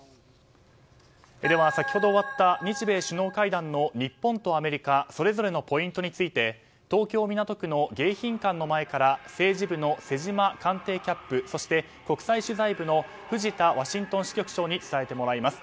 では、先ほど終わった日米首脳会談の日本とアメリカそれぞれのポイントについて東京・港区の迎賓館の前から政治部の瀬島官邸キャップそして、国際取材部の藤田ワシントン支局長に伝えてもらいます。